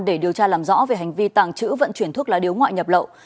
để điều tra làm rõ về hành vi tàng trữ vận chuyển thuốc lá điếu ngoại nhập lậu